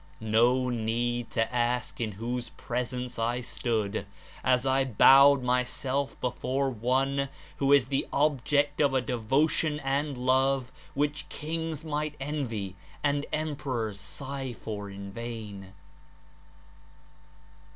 No need to ask in whose pres ence I stood, as I bowed myself before one who Is the object of a devotion and love which kings might envy and emperors sigh for in vain."